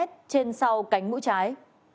trên sau cánh mũi trái